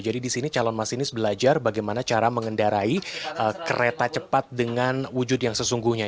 jadi di sini calon masinis belajar bagaimana cara mengendarai kereta cepat dengan wujud yang sesungguhnya